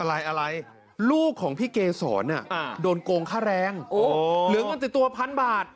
อะไรลูกของพี่เกย์สอนเนี่ยโดนโกงค่าแรงเหลืองันติดตัว๑๐๐๐บาท